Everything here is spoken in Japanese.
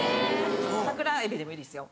サクラエビでもいいですよ